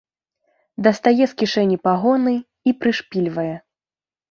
Дастае з кішэні пагоны і прышпільвае.